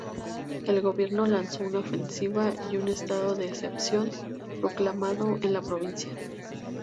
El gobierno lanzó una ofensiva y un estado de excepción proclamado en la provincia.